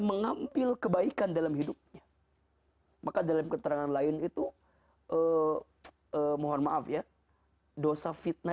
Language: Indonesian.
mengambil kebaikan dalam hidupnya maka dalam keterangan lain itu mohon maaf ya dosa fitnah